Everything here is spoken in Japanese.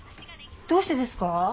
どうしてですか？